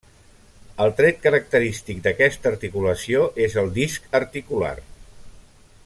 El tret característic d'aquesta articulació és el disc articular.